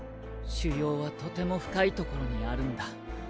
腫瘍はとても深いところにあるんだ。